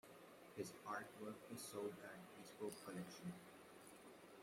His artwork is sold at Bespoke Collection.